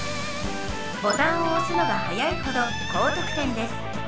ボタンを押すのが早いほど高得点です。